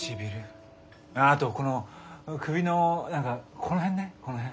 あとこの首の何かこの辺ねこの辺。